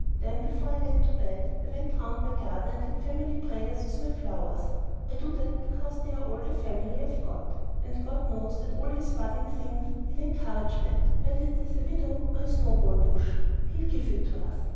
Then, before I went to bed, I went round my garden and had family prayers with my flowers. I do that because they are all the family I've got, and God knows that all His budding things need encouragement, whether it is a widow or a snowball bush. He'll give it to us!